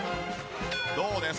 どうです？